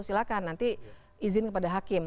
silahkan nanti izin kepada hakim